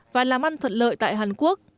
và làm ăn thuận lợi tại hàn quốc